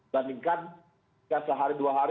dandingkan sehari dua hari